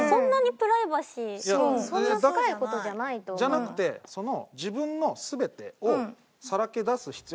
じゃなくてその。